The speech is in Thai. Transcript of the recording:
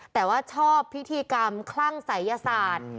แต่ว่าชอบพิธีกรรมคลั่งศัยยศาสตร์